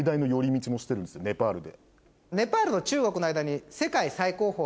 ネパールで。